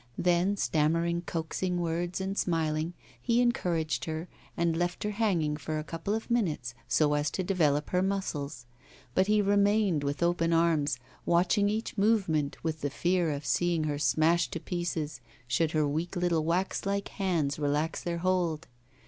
Then, stammering coaxing words and smiling, he encouraged her, and left her hanging for a couple of minutes, so as to develop her muscles; but he remained with open arms, watching each movement with the fear of seeing her smashed to pieces, should her weak little wax like hands relax their hold.